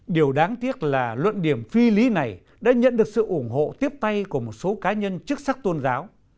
điều đáng tiếc là luận điểm phi lý này đã nhận được sự ủng hộ tiếp tay của một số cá nhân chức sắc tôn giáo